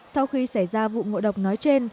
sau khi xảy ra vụ ngộ độc nói trên